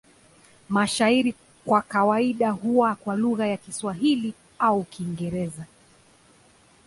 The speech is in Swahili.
Mashairi kwa kawaida huwa kwa lugha ya Kiswahili au Kiingereza.